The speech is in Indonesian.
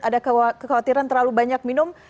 ada kekhawatiran terlalu banyak minum